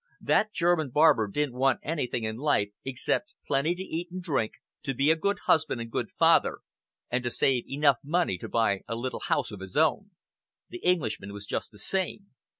That German barber didn't want anything in life except plenty to eat and drink, to be a good husband and good father, and to save enough money to buy a little house of his own. The Englishman was just the same.